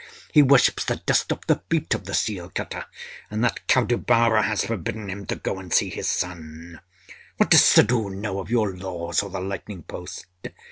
He worships the dust off the feet of the seal cutter, and that cow devourer has forbidden him to go and see his son. What does Suddhoo know of your laws or the lightning post?